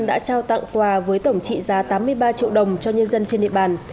đã trao tặng quà với tổng trị giá tám mươi ba triệu đồng cho nhân dân trên địa bàn